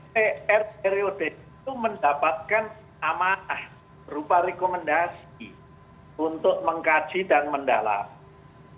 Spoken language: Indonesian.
mpr dan rud mendapatkan amanah berupa rekomendasi untuk mengkaji dan mendalam